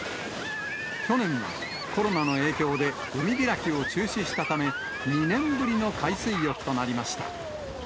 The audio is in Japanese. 去年はコロナの影響で、海開きを中止したため、２年ぶりの海水浴となりました。